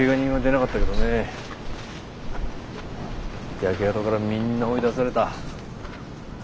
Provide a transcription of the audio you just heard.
焼け跡からみんな追い出された。